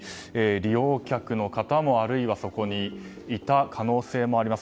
利用客の方もあるいはそこにいた可能性もあります。